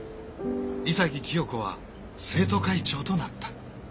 潔清子は生徒会長となった。